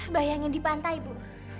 bayangin di pantai bu